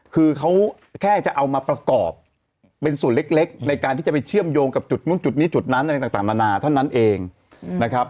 คือเขาแค่จะเอามาประกอบเป็นส่วนเล็กในการที่จะไปเชื่อมโยงกับจุดนู้นจุดนี้จุดนั้นอะไรต่างนานาเท่านั้นเองนะครับ